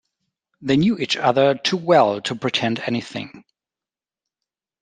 They knew each other too well to pretend anything.